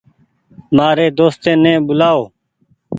مآريِ دوستي ني ٻولآئو۔